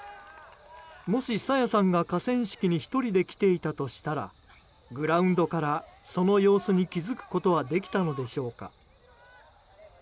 もし朝芽さんが河川敷に１人で来ていたとしたらグラウンドからその様子に気づくことはできたのでしょうか。